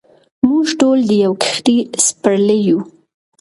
موږ ټول د یوې کښتۍ سپرلۍ یو.